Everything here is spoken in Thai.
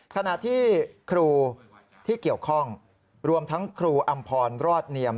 ขณะที่ครูที่เกี่ยวข้องรวมทั้งครูอำพรรอดเนียม